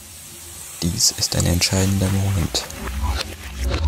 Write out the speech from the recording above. Dies ist ein entscheidender Moment.